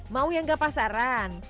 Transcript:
mau yang gak pasaran